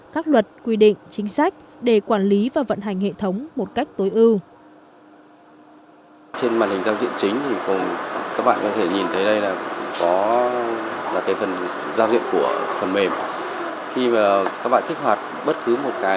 các luật quy định chính sách để quản lý và vận hành hệ thống một cách tối ưu